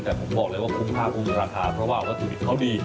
แต่ผมบอกเลยว่าคุ้มภาพคือราคาเพราะว่าสุดิบเขาดี